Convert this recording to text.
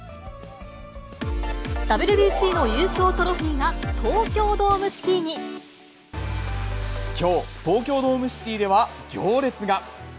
ＷＢＣの優勝トロフィーが、きょう、東京ドームシティでは行列が。